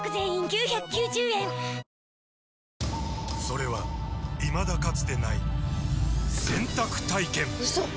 それはいまだかつてない洗濯体験‼うそっ！